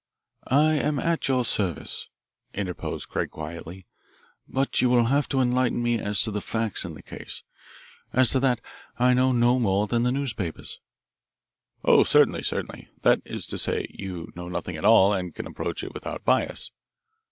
"I am at your service," interposed Craig quietly, "but you will have to enlighten me as to the facts in the case. As to that, I know no more than the newspapers." "Oh, certainly, certainly. That is to say, you know nothing at all and can approach it without bias."